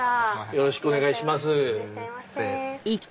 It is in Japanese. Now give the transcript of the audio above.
よろしくお願いします。